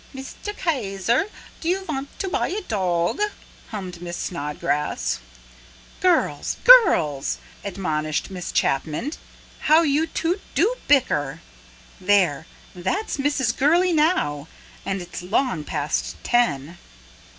"'Mr. Kayser, do you vant to buy a dawg?'" hummed Miss Snodgrass. "Girls, girls!" admonished Miss Chapman. "How you two do bicker. There, that's Mrs. Gurley now! And it's long past ten."